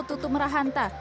tutup merah hantar